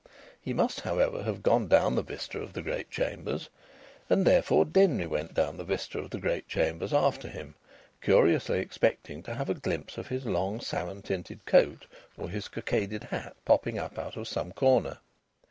He must, however, have gone down the vista of the great chambers, and therefore Denry went down the vista of the great chambers after him, curiously expecting to have a glimpse of his long salmon tinted coat or his cockaded hat popping up out of some corner.